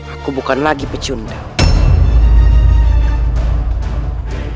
aku bukan lagi surawisasa yang lemah